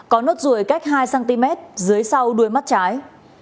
có nốt ruồi cách hai cm dưới sau đuôi mắt trái